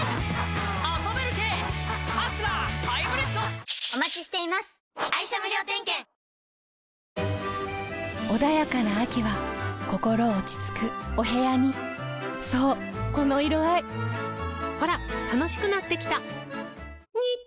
輝いている穏やかな秋は心落ち着くお部屋にそうこの色合いほら楽しくなってきた！